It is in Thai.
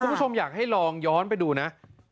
คุณผู้ชมอยากให้ลองย้อนไปดูนะ